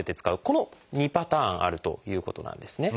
この２パターンあるということなんですね。